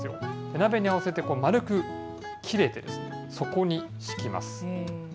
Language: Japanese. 鍋に合わせて丸く切れて、底に敷きます。